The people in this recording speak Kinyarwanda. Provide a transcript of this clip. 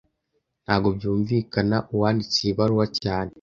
Ntago byumvikana uwanditse iyi baruwa cyane